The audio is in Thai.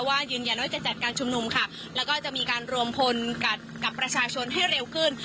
ยืนยันว่าจะจัดการชุมนุมค่ะแล้วก็จะมีการรวมพลกับประชาชนให้เร็วขึ้น